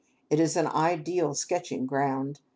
It is an ideal sketching ground.